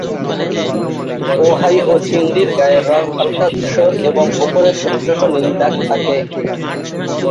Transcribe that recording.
Ohio চিংড়ির গায়ের রং হালকা ধূসর এবং ওপরে ছোট ছোট নীল দাগ থাকে।